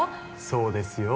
そうですよ